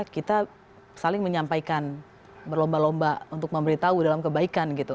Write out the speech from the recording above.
kita saling menyampaikan berlomba lomba untuk memberitahu dalam kebaikan gitu